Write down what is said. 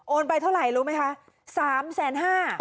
โอนไปเท่าไหร่รู้ไหมคะ๓๕แสน